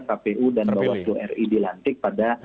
kpu dan bawaslu ri dilantik pada